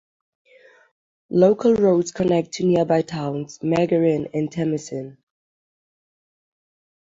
Local roads connect to nearby towns Megarine and Tamacine.